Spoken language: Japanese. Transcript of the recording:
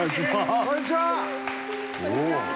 こんにちは。